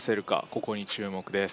ここに注目です